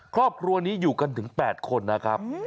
ครอบครัวนี้อยู่กันถึง๘คนนะครับ